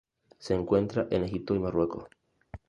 Se encuentra en Egipto y Marruecos.